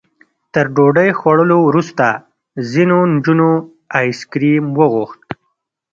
تر ډوډۍ خوړلو وروسته ځینو نجونو ایس کریم وغوښت.